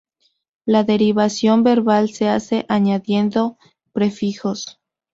La derivación verbal se hace añadiendo prefijos.